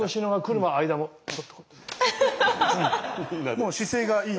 もう姿勢がいい。